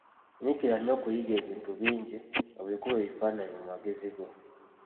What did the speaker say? Nyiikira nnyo okuyiga ebintu bingi, obikube ebifaananyi mu magezi go.